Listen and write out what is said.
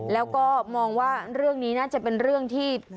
แล้วก็มองว่าเรื่องนี้น่าจะเป็นเรื่องที่